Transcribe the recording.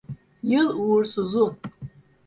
Yıl uğursuzun.